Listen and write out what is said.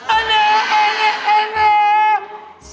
เอ๊ะเน่เอ๊ะเน่เอ๊ะเน่